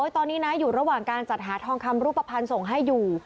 ตอนนี้นะอยู่ระหว่างการจัดหาทองคำรูปภัณฑ์ส่งให้อยู่